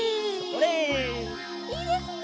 いいですね！